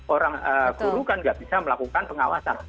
orang guru kan nggak bisa melakukan pengawasan